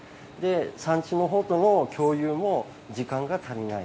産地の方との共有も時間が足りない。